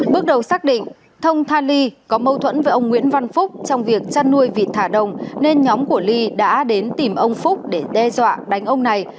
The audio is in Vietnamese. bước đầu xác định thông than ly có mâu thuẫn với ông nguyễn văn phúc trong việc chăn nuôi vịt thả đồng nên nhóm của ly đã đến tìm ông phúc để đe dọa đánh ông này